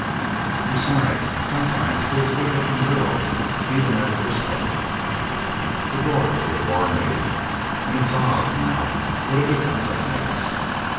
Besides, sometimes there's a good looking girl even at a bush public, the daughter or the barmaid, and it's odd, now, what a difference that makes.